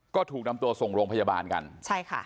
ก็ถูกนำตัวส่งโรงพยาบาลกันใช่ค่ะ